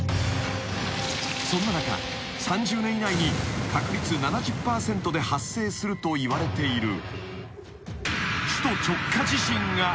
［そんな中３０年以内に確率７０％で発生するといわれている］